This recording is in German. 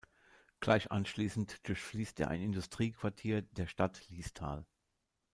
Gleich anschließend durchfliesst er ein Industriequartier der Stadt Liestal.